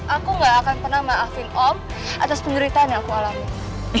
aku gak akan pernah maafin om atas penderitaan yang aku alami